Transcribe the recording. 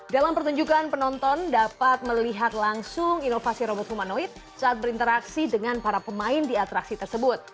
dalam pertunjukan penonton dapat melihat langsung inovasi robot humanoid saat berinteraksi dengan para pemain di atraksi tersebut